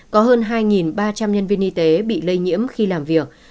có hơn hai ba trăm linh nhân viên y tế bị lây nhiễm khi làm việc